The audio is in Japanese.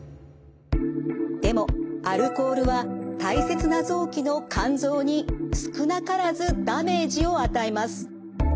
でもアルコールは大切な臓器の肝臓に少なからずダメージを与えます。